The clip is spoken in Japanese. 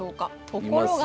ところが。